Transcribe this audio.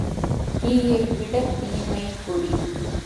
தீயைவிடத் தீமை கொடிது.